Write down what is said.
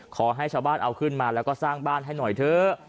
ขอให้ชาวบ้านเอาขึ้นมาแล้วก็สร้างบ้านให้หน่อยเถอะ